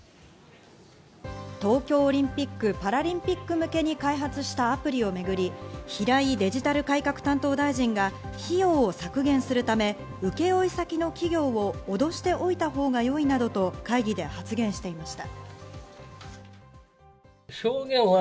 東京オリンピック・パラリンピック向けに開発したアプリをめぐり、平井デジタル改革担当大臣が、費用を削減するため、請負先の企業を脅しておいたほうがよいなどと会議で発言していました。